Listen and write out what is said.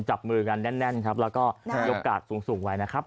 จับมือกันแน่นครับแล้วก็มีโอกาสสูงไว้นะครับ